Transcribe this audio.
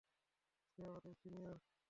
সে আমাদের সিনিয়র।